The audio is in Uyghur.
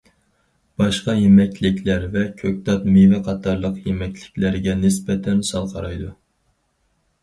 باشقا يېمەكلىكلەر ۋە كۆكتات، مېۋە قاتارلىق يېمەكلىكلەرگە نىسبەتەن سەل قارايدۇ.